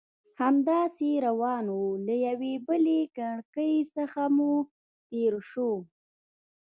همداسې روان وو، له یوې بلې کړکۍ څخه هم تېر شوو.